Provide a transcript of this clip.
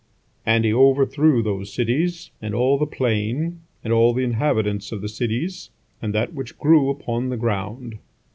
And he overthrew those cities, and all the plain, and all the inhabitants of the cities, and that which grew upon the ground.